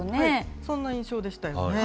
そんな印象でしたよね。